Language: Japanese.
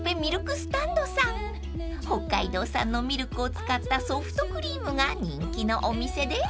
［北海道産のミルクを使ったソフトクリームが人気のお店です］